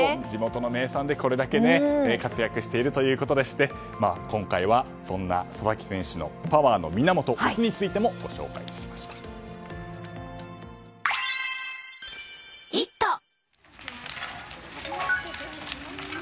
地元の名産で、これだけ活躍しているということで今回はそんな佐々木選手のパワーの源お酢についてもご紹介しました。